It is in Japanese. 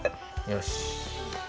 よし。